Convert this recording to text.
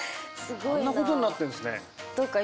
あんなことになってるんですね。